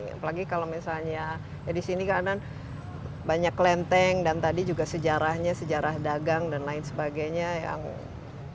apalagi kalau misalnya disini kanan banyak lenteng dan tadi juga sejarahnya sejarah dagang dan lain sebagainya yang sangat ini ya